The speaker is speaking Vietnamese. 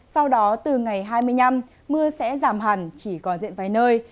sau đó từ ngày hai mươi năm mưa sẽ giảm hẳn chỉ còn diện vài nơi